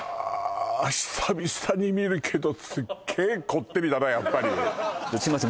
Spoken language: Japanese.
久々に見るけどすっげえこってりだなやっぱりすいません